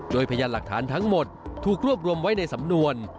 โดยพยานหลักฐานทั้งหมดถูกรวบรวมไว้ในสำนวน